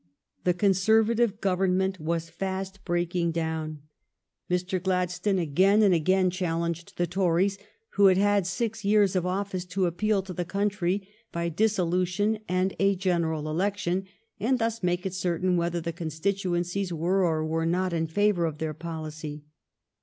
The Conservative Govern ment was fast breaking down. Mr. Gladstone 332 THE STORY OF GLADSTONES LIFE again and again challenged the Tories, who had had six years of office, to appeal to the country by dissolution and a general election, and thus make it certain whether the constituencies were or were not in favor of their policy.